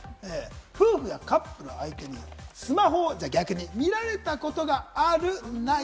夫婦やカップル、相手にスマホを逆に見られたことがある？ない？